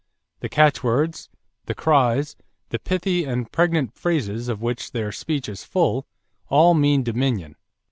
The catchwords, the cries, the pithy and pregnant phrases of which their speech is full, all mean dominion.